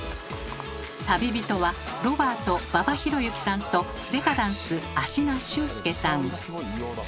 旅人はロバート馬場裕之さんとデカダンス芦名秀介さん。